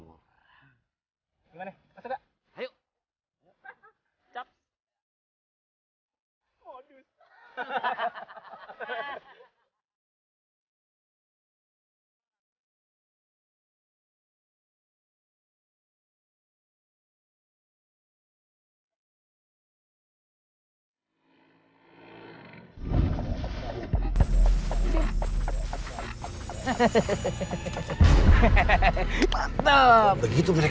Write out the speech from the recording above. gimana masuk gak